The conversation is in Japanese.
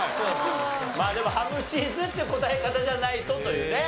まあでもハムチーズって答え方じゃないとというね。